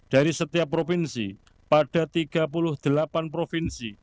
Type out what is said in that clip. dari setiap provinsi pada tiga puluh delapan provinsi